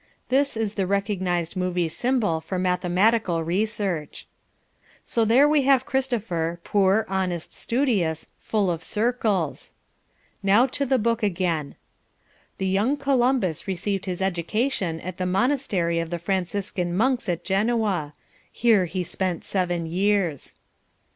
This is the recognised movie symbol for mathematical research. So there we have Christopher poor, honest, studious, full of circles. Now to the book again. "...The young Columbus received his education at the monastery of the Franciscan monks at Genoa. Here he spent seven years."